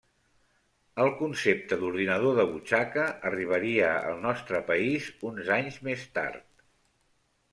El concepte d'ordinador de butxaca arribaria al nostre país uns anys més tard.